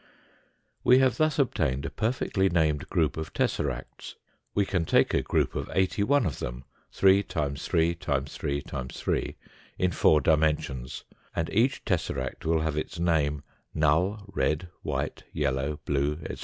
We have thus obtained a perfectly named group of tesseract s. We can take a group of eighty one of them 3x3x3x3, in four dimensions, and each tesseract will have its name null, red, white, yellow, blue, etc.